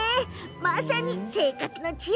まさに生活の知恵！